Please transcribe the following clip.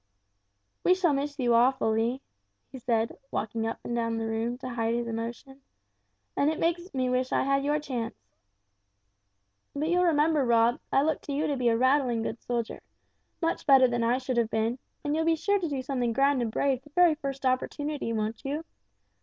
"We shall miss you awfully," he said, walking up and down the room to hide his emotion; "and it makes me wish I had your chance. But you'll remember, Rob, I look to you to be a rattling good soldier, much better than I should have been, and you'll be sure to do something grand and brave the very first opportunity, won't you?